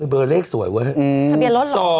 เบอร์เลขสวยเว้ย๒๓๖๘